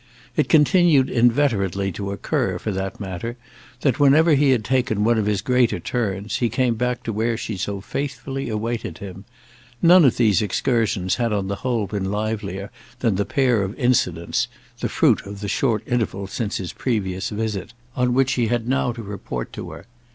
It continued inveterately to occur, for that matter, that whenever he had taken one of his greater turns he came back to where she so faithfully awaited him. None of these excursions had on the whole been livelier than the pair of incidents—the fruit of the short interval since his previous visit—on which he had now to report to her.